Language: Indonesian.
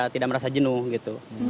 tidak merasa jenuh gitu